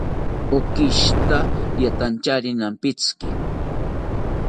Okishita riantanchari nampitziki